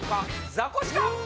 ザコシか？